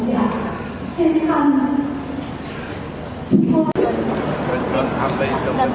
แล้วก็จะกรรมรอด้วยเพราะว่าจะกรรมรอดออกทั้งหมด